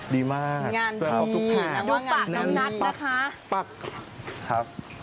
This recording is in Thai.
ดีมากดูปากน้องนัดนะคะ